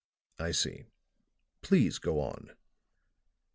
"I see. Please go on."